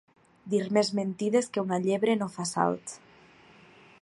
Dir més mentides que una llebre no fa salts.